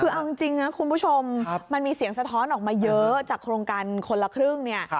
คือเอาจริงนะคุณผู้ชมมันมีเสียงสะท้อนออกมาเยอะจากโครงการคนละครึ่งเนี่ย